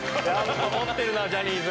持ってるなジャニーズ。